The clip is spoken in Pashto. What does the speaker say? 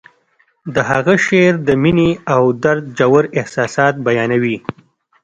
د هغه شعر د مینې او درد ژور احساسات بیانوي